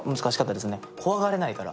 恐がれないから。